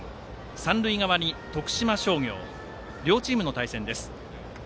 三塁側に徳島商業両チームの対戦です。